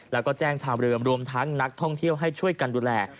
แล้วก็แจ้งชาวเรือมรวมทั้งนักท่องเที่ยวให้ช่วยกันดูแล